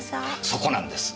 そこなんです！